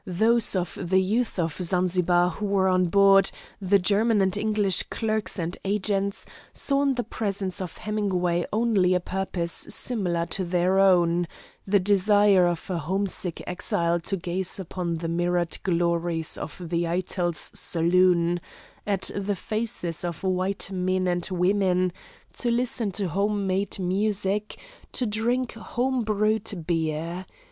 Those of the youth of Zanzibar who were on board, the German and English clerks and agents, saw in the presence of Hemingway only a purpose similar to their own; the desire of a homesick exile to gaze upon the mirrored glories of the Eitel's saloon, at the faces of white men and women, to listen to home made music, to drink home brewed beer.